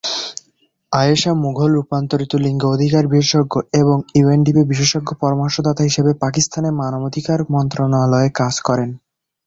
আয়েশা মুঘল রূপান্তরিত লিঙ্গ অধিকার বিশেষজ্ঞ এবং ইউএনডিপি বিশেষজ্ঞ পরামর্শদাতা হিসাবে পাকিস্তানের মানবাধিকার মন্ত্রণালয়ে কাজ করেন।